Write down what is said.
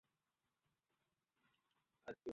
নিশ্চয়ই তিনি সর্বশ্রোতা, সর্বজ্ঞ।